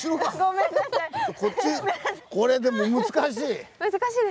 これでも難しい。